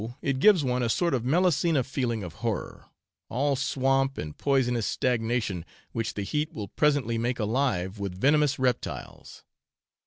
it gives one a sort of melusina feeling of horror all swamp and poisonous stagnation, which the heat will presently make alive with venomous reptiles.